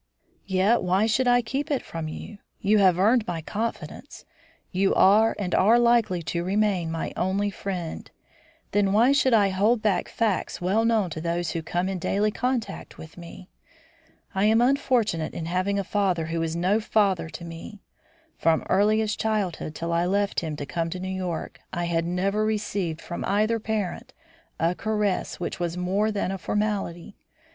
"Yet why should I keep it from you? You have earned my confidence. You are, and are likely to remain, my only friend; then why should I hold back facts well known to those who come in daily contact with me? I am unfortunate in having a father who is no father to me. From earliest childhood till I left him to come to New York, I had never received from either parent a caress which was more than a formality.